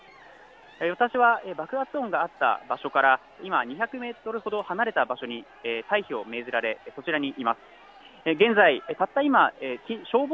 私は爆発音があった場所から今、２００メートルほど離れた場所に待機を命ぜられ、そちらにいます。